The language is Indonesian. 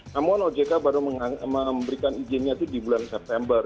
namun ojk baru memberikan izinnya itu di bulan september